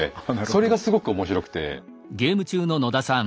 それがすごく面白くて。